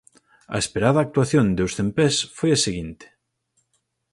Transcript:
A esperada actuación de "Os Cempés" foi a seguinte.